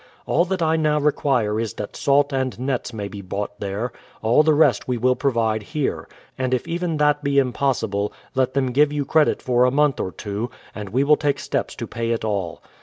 All that I now require is that salt and nets may be bought there, — all the rest we will provide here ; and if even that be impossible, let them give you credit for a month or two, and we will take steps to pay it all.